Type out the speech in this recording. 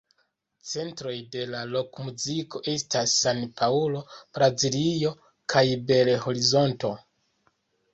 Centroj de la rokmuziko estas San-Paŭlo, Braziljo kaj Bel-Horizonto.